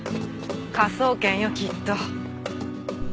科捜研よきっと。